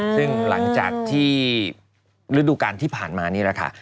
ซึ่งหลังจากที่ฤดูการที่ผ่านมานี่แหละค่ะ